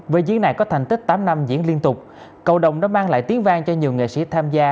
với diễn này có thành tích tám năm diễn liên tục cộng đồng đã mang lại tiếng vang cho nhiều nghệ sĩ tham gia